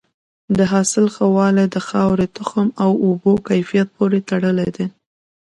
د حاصل ښه والی د خاورې، تخم او اوبو کیفیت پورې تړلی دی.